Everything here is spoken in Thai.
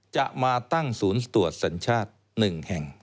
จะมาตั้งศูนย์ตรวจสัญชาติ๑แห่ง